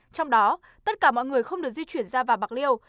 trong đó tất cả mọi người không được di chuyển ra vào bạc liêu